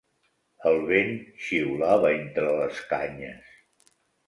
El vent xiulava entre les canyes.